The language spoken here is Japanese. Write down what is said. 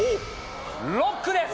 「ロック」です。